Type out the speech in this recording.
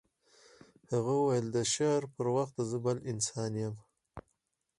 هغه وویل د شعر پر وخت زه بل انسان یم